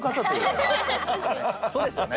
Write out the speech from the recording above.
そうですよね。